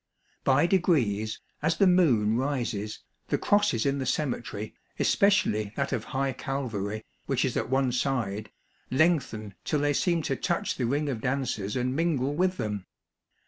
By degrees, as the moon rises, the crosses in the cemetery, especially that of High Calvary, which is at one side, lengthen till they seem to touch the ring of dancers and mingle with them.